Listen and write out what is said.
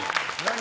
何？